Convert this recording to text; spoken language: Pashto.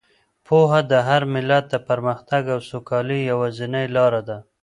پوهه د هر ملت د پرمختګ او سوکالۍ یوازینۍ لاره ده.